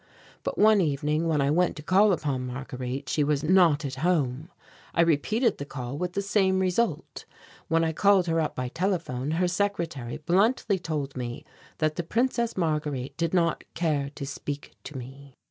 But one evening when I went to call upon Marguerite she was "not at home." I repeated the call with the same result. When I called her up by telephone, her secretary bluntly told me that the Princess Marguerite did not care to speak to me.